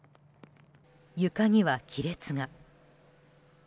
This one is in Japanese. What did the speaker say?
床には亀裂が。